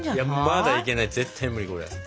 まだいけない絶対無理これ。